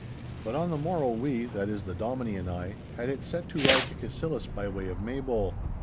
But on the morrow we, that is the Dominie and I, had it set to ride to Cassillis by way of Maybole.